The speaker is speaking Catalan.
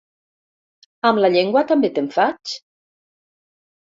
Amb la llengua també te'n faig?